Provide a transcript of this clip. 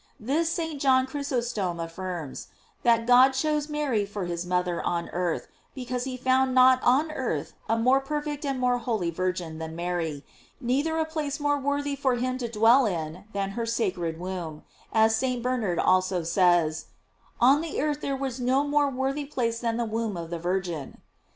f This St. John Chrysostom affirms, that God chose Mary for his mother on earth, because he found not on the earth a more perfect and more holy Virgin than Mary, neither a place more worthy for him to dwell in than her sacred womb;| as St. Ber nard also says: On the earth there was no more worthy place than the womb of the Virgin.